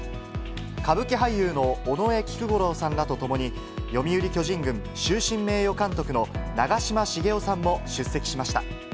歌舞伎俳優の尾上菊五郎さんらと共に、読売巨人軍終身名誉監督の長嶋茂雄さんも出席しました。